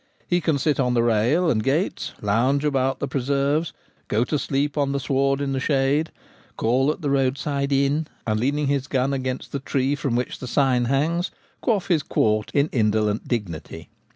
He can sit on the rails and gates, lounge about the preserves, go to sleep on the sward in the shade ; call at the roadside inn, and, leaning his gun against the tree from which the sign hangs, quaff his quart in indolent dignity.